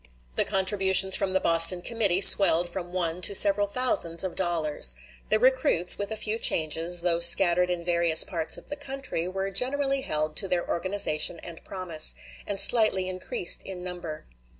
The contributions from the Boston committee swelled from one to several thousands of dollars. The recruits, with a few changes, though scattered in various parts of the country, were generally held to their organization and promise, and slightly increased in number.